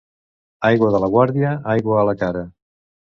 Aigua de la Guàrdia, aigua a la cara.